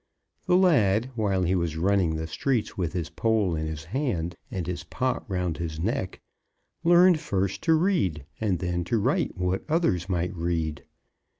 The lad, while he was running the streets with his pole in his hand, and his pot round his neck, learned first to read, and then to write what others might read.